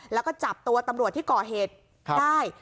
แล้วก็จับตัวตำรวจที่ก่อเหตุได้